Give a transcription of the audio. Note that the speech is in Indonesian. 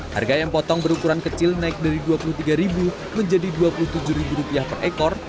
harga ayam potong berukuran kecil naik dari rp dua puluh tiga menjadi rp dua puluh tujuh per ekor